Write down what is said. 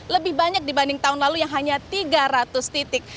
lebih banyak dibanding tahun lalu yang hanya tiga ratus titik